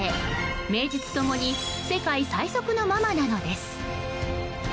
名実共に世界最速のママなのです。